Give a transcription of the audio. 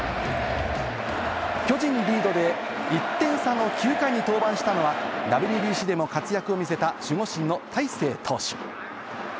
巨人リードで１点差の９回に登板したのはＷＢＣでも活躍を見せた守護神の大勢投手。